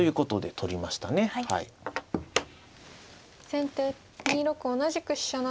先手２六同じく飛車成。